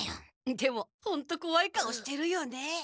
でもホントこわい顔してるよね。